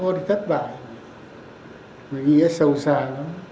đoàn kết thì thất bại mà nghĩa sâu xa lắm